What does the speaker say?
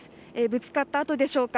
ぶつかった跡でしょうか。